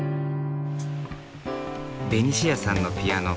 ベニシアさんのピアノ